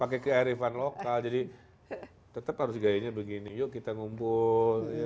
pakai kearifan lokal jadi tetap harus gayanya begini yuk kita ngumpul